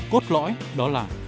cốt lõi đó là